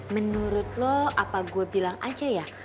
menurut lo apa gue bilang aja ya